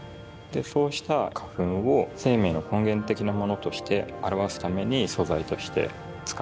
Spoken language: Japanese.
そうした花粉を生命の根源的なものとして表すために素材として使っています。